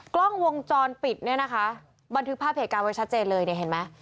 กล้องวงจรปิดบันทึกภาพเหตุการณ์จัดเจนเลยเห็นไหม